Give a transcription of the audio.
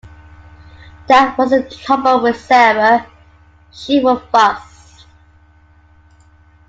That was the trouble with Sarah — she would fuss.